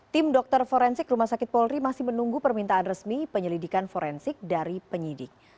tim dokter forensik rumah sakit polri masih menunggu permintaan resmi penyelidikan forensik dari penyidik